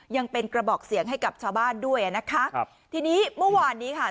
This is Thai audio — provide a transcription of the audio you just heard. ยังเป็นกระบอกเสียงให้กับชาวบ้านด้วยอ่ะนะคะครับทีนี้เมื่อวานนี้ค่ะ